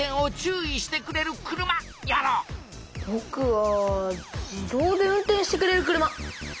ぼくは自動で運転してくれる車。